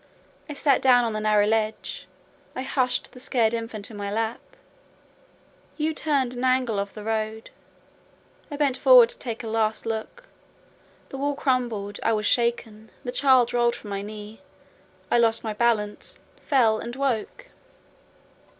I sat down on the narrow ledge; I hushed the scared infant in my lap: you turned an angle of the road: I bent forward to take a last look; the wall crumbled; I was shaken; the child rolled from my knee, I lost my balance, fell, and woke."